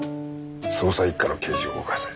捜査一課の刑事を動かせ。